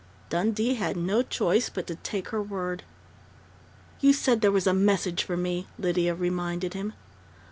Dundee had no choice but to take her word. "You said there was a message for me," Lydia reminded him.